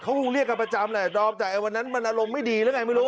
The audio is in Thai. เขาคงเรียกกันประจำแหละดอมแต่ไอ้วันนั้นมันอารมณ์ไม่ดีหรือไงไม่รู้